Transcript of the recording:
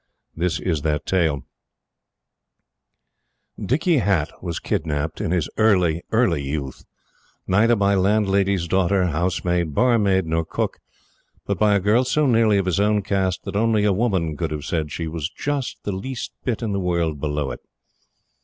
This is that tale: Dicky Hatt was kidnapped in his early, early youth neither by landlady's daughter, housemaid, barmaid, nor cook, but by a girl so nearly of his own caste that only a woman could have said she was just the least little bit in the world below it.